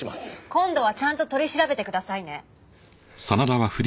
今度はちゃんと取り調べてくださいね。